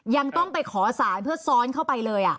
ยังต้องไปขอสารเพื่อซ้อนเข้าไปเลย